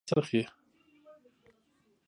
فرعي کرکتر په اصلي کرکتر باندې راڅرخي .